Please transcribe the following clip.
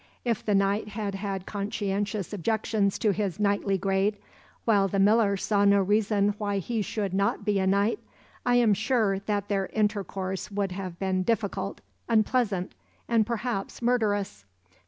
If the knight had had conscientious objections to his knightly grade, while the miller saw no reason why he should not be a knight, I am sure that their intercourse would have been difficult, unpleasant, and perhaps murderous.